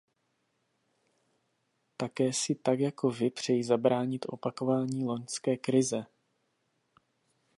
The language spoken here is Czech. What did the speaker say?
Také si tak jako vy přeji zabránit opakování loňské krize.